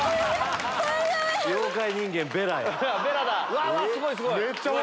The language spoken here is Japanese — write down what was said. うわうわすごいすごい！